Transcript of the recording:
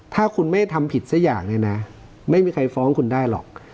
ถ้าคุณไม่ทำผิดสักอย่างเนี่ยนะไม่มีใครฟ้องคุณได้หรอก